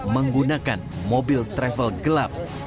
menggunakan mobil travel gelap